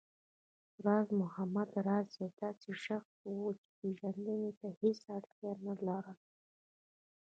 راز محمد راز يو داسې شخص و چې پېژندنې ته هېڅ اړتيا نه لري